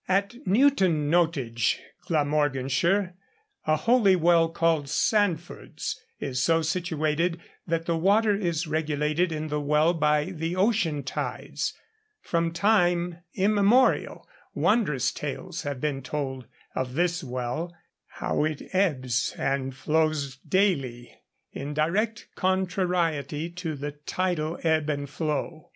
At Newton Nottage, Glamorganshire, a holy well called Sanford's is so situated that the water is regulated in the well by the ocean tides. From time immemorial wondrous tales have been told of this well, how it ebbs and flows daily in direct contrariety to the tidal ebb and flow.